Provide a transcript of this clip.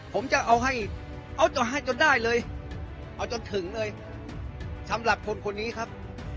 ผมจะเอาให้เอาจนให้จนได้เลยเอาจนถึงเลยสำหรับคนคนนี้ครับ